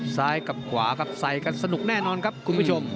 ซ้ายกับขวาครับใส่กันสนุกแน่นอนครับคุณผู้ชม